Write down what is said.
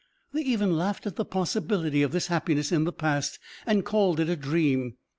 They even laughed at the possibility of this happiness in the past, and called it a dream.